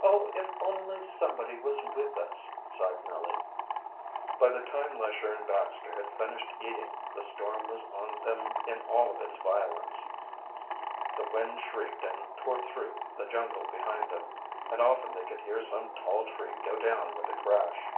"Oh, if only somebody was with us," sighed Nellie. By the time Lesher and Baxter had finished eating the storm was on them in all of its violence. The wind shrieked and tore through the jungle behind them, and often they could hear some tall tree go down with a crash.